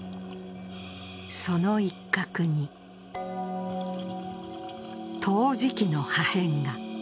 その一角に、陶磁器の破片が。